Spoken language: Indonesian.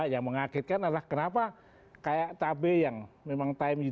yang mengagetkan adalah kenapa kayak cabai yang memang time up